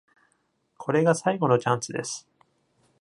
これが最後のチャンスです。